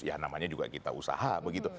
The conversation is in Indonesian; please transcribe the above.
ya namanya juga kita usaha begitu